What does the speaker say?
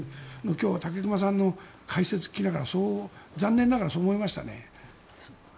今日は武隈さんの解説を聞きながら残念ながら、そう思いましたね。